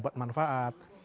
maka dapat manfaat